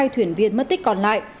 hai thuyền viên mất tích còn lại